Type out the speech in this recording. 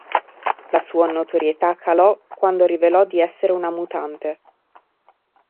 La sua notorietà calò quando rivelò di essere una mutante.